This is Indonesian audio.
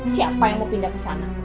siapa yang mau pindah kesana